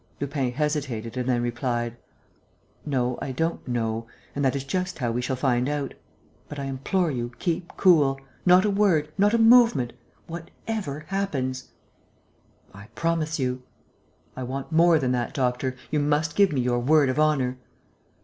Lupin hesitated and then replied: "No, I don't know.... And that is just how we shall find out. But, I implore you, keep cool. Not a word, not a movement, whatever happens!" "I promise you." "I want more than that, doctor. You must give me your word of honour."